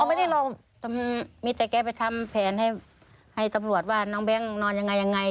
โอ้ไม่ได้สำหรับมีแต่แกไปทำแผนให้ให้ตำรวจว่าน้องเบ้งนอนยังไงยังไง